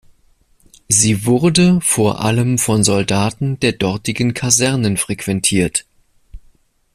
Sie wurde vor allem von Soldaten der dortigen Kasernen frequentiert.